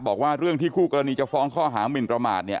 บอกว่าเรื่องที่คู่กรณีจะฟ้องข้อหามินประมาทเนี่ย